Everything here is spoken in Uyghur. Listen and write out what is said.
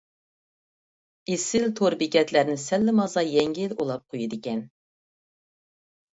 ئېسىل تور بېكەتلەرنى سەللىمازا يەڭگىل ئۇلاپ قويىدىكەن.